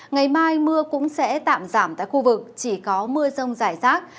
ngày mai mưa cũng sẽ tạm giảm tại khu vực chỉ có mưa sông dài rác